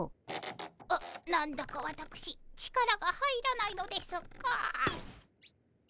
な何だかわたくし力が入らないのですが。